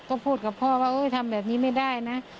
ก็พูดกับพ่อว่าทำแบบนี้ไม่ได้นะ